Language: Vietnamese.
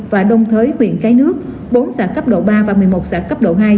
và đông thới huyện cái nước bốn xã cấp độ ba và một mươi một xã cấp độ hai